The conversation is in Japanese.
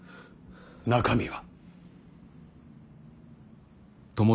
中身は。